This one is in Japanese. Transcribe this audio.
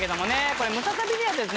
これムササビにはですね